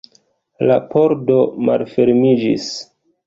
La pordo malfermiĝis.